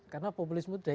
karena populis mudah